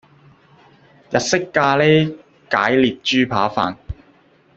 日式咖喱解列豬扒飯